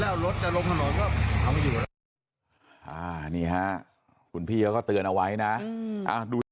แล้วกันนี้ก็พอรู้สึกตัวก็เห็นแล้วรถจะลงถนนก็เอาไว้อยู่